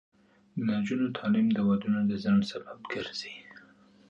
د نجونو تعلیم د ودونو ځنډ سبب ګرځي.